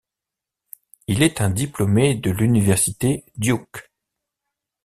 Il est un diplômé de l'université Duke.